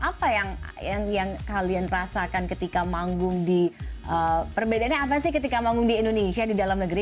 apa yang kalian rasakan ketika manggung di perbedaannya apa sih ketika manggung di indonesia di dalam negeri